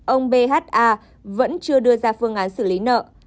ông bha vẫn chưa đưa ra phương án xử lý nợ